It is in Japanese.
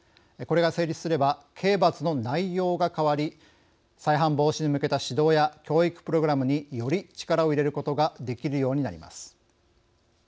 これが成立すれば刑罰の内容が変わり再犯防止に向けた指導や教育プログラムにより力を入れることができるようになります。